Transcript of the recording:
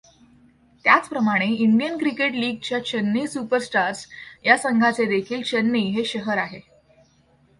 त्याचप्रमाणे, Indian cricket league च्या Chennai superstars या संघाचेदेखिल चेन्नई हे शहर आहे.